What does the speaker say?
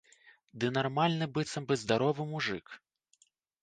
Ды нармальны быццам бы здаровы мужык.